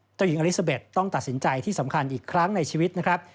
เจ้าหญิงอลิซาเบ็ดต้องตัดสินใจที่สำคัญอีกครั้งในชีวิตนะครับ